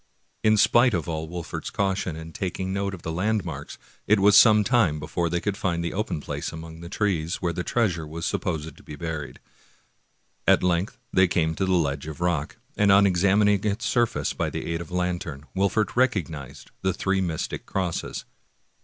In spite of all Wolfert's caution in taking note of the land marks, it was some time before they could find the open place among the trees, where the treasure was supposed to be buried. At length they came to the ledge of rock, and on examining its surface by the aid of the lantern, Wolfert recognized the three mystic crosses.